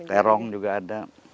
terong juga ada